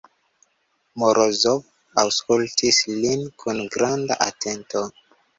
Morozov aŭskultis lin kun granda atento.